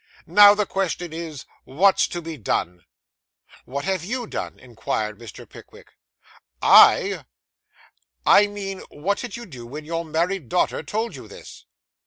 Now the question is, what's to be done?' 'What have _you _done?' inquired Mr. Pickwick. 'I!' 'I mean what did you do when your married daughter told you this?